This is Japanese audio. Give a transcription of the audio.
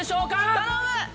頼む！